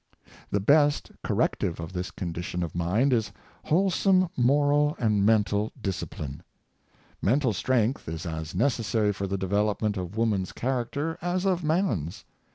The best corrective of this condition of mind is wholesome moral and mental discipline. Mental strength is as necessary for the development of woman's charac ter as of man's.